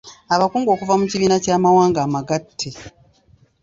Abakungu okuva mu kibiina ky’Amawanga amagatte.